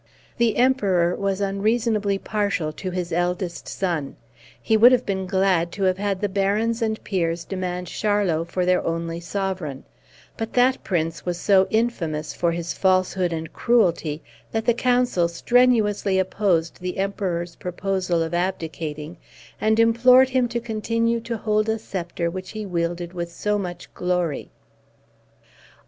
The Emperor was unreasonably partial to his eldest son; he would have been glad to have had the barons and peers demand Charlot for their only sovereign; but that prince was so infamous, for his falsehood and cruelty, that the council strenuously opposed the Emperor's proposal of abdicating, and implored him to continue to hold a sceptre which he wielded with so much glory.